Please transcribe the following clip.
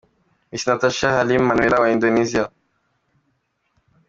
Miss Natasha Halim Mannuela wa Indonesia.